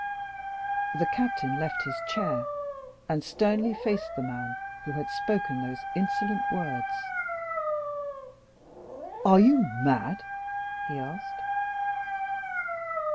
The Captain left his chair, and sternly faced the man who had spoken those insolent words. "Are you mad?" he asked.